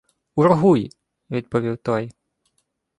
— Ургуй, — відповів той.